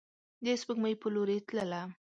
د سپوږمۍ په لوري تلله